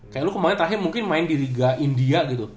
kayak lo kemaren mungkin main di liga india gitu